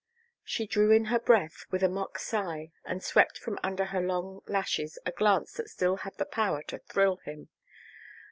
She drew in her breath with a mock sigh and swept from under her long lashes a glance that still had the power to thrill him.